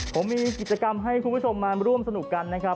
ผมมีกิจกรรมให้คุณผู้ชมมาร่วมสนุกกันนะครับ